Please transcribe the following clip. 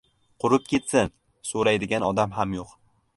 — Qurib ketsin, so‘raydigan odam ham yo‘q.